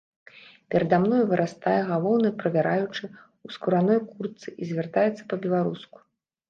Перада мною вырастае галоўны правяраючы ў скураной куртцы і звяртаецца па-беларуску.